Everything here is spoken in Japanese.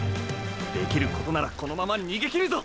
できることならこのまま先行きるぞ！！